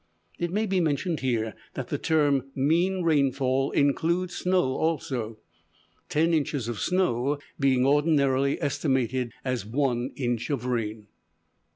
It may be mentioned here, that the term "mean rainfall" includes snow also: ten inches of snow being ordinarily estimated as one inch of rain.